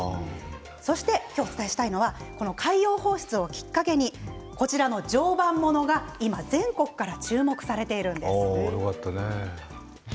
そして今日お伝えしたいのはこの海洋放出をきっかけにこちらの常磐ものが今全国から注目されているんです。